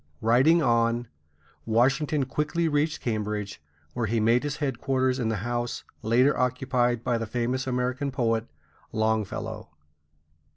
Riding on, Washington quickly reached Cambridge, where he made his headquarters in the house later occupied by the famous American poet Longfellow.